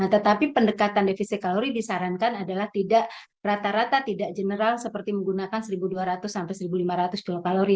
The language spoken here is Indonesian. tetapi pendekatan defisit kalori disarankan non general seperti menggunakan seribu dua ratus seribu lima ratus kilokalori